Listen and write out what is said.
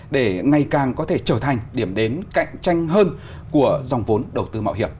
để ngày càng có thể trở thành điểm đến cạnh tranh hơn của dòng vốn đầu tư mạo hiểm